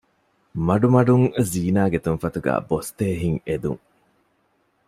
މަޑުމަޑުން ޒީނާގެ ތުންފަތުގައި ބޮސްދޭ ހިތް އެދުން